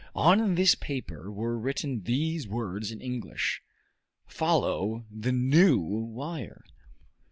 On this paper were written these words in English: "Follow the new wire."